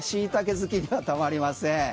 好きにはたまりません。